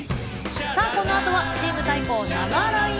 このあとはチーム対抗生ＬＩＮＥ